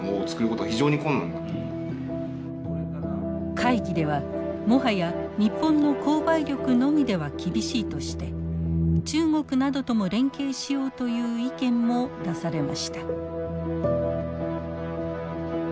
会議ではもはや日本の購買力のみでは厳しいとして中国などとも連携しようという意見も出されました。